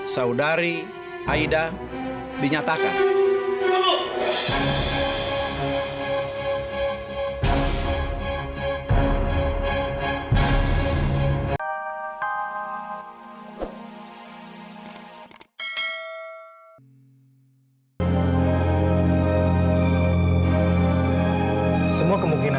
saudari aida dinyatakan